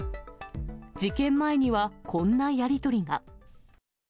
事件前には、こんなやり取りが。